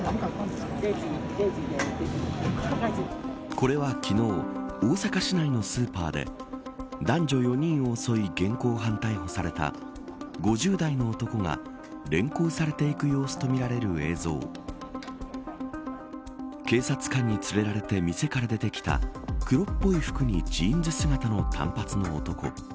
これは昨日大阪市内のスーパーで男女４人を襲い現行犯逮捕された５０代の男が連行されていく様子とみられる映像警察官に連れられて店から出てきた黒っぽい服にジーンズ姿の短髪の男。